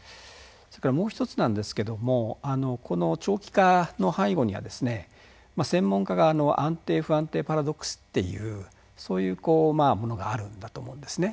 それからもう一つなんですけどもこの長期化の背後にはですね専門家が安定・不安定パラドックスっていうそういうものがあるんだと思うんですね。